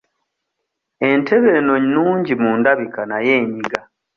Entebe eno nnungi mu ndabika naye enyiga.